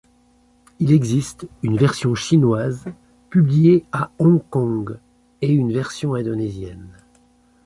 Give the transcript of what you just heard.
Il existe une version chinoise publiée à Hong Kong, et une version indonésienne.